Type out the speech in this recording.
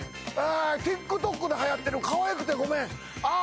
ＴｉｋＴｏｋではやってる『可愛くてごめん』ああ。